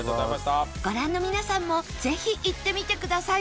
ご覧の皆さんもぜひ行ってみてください